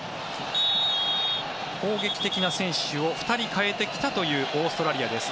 攻撃的な選手を２人代えてきたというオーストラリアです。